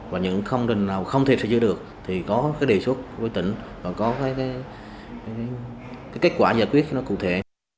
và những công trình nào không thể sử dụng được thì có đề xuất với tỉnh và có kết quả giải quyết cụ thể